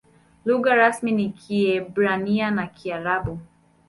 Lugha rasmi ni Kiebrania na Kiarabu.